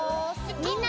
みんな！